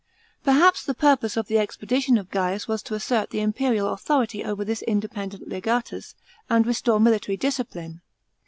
Perhaps the purpose of the expedition of Gaius was to assert the imperial authority over this independent le^atus, and restore military discipline.